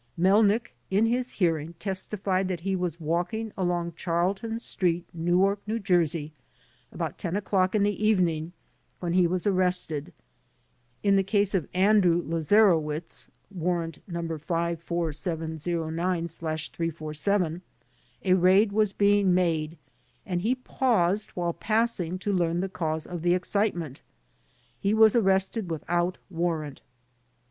Melnick in his hearing testified that he was walking along Charlton Street, Newark, N. J., about ten o'clock in the evening when he was arrested. In the case of Andrew Lazarowitz (Warrant No. 54709/347) a raid was being made and he paused while passing to learn the cause of the excitement. He was arrested without warrant.